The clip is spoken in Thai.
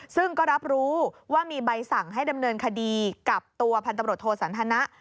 ซึ่งก็รับรู้ว่ามีใบสั่งให้ดำเนินคดีกับตัวพันตำรวจโทสันทนะ